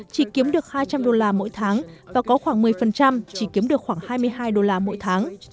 chỉ kiếm được hai trăm linh đô la mỗi tháng và có khoảng một mươi chỉ kiếm được khoảng hai mươi hai đô la mỗi tháng